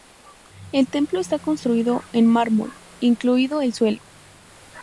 El templo está construido en mármol, incluido el suelo.